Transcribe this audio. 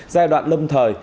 giai đoạn lâm thời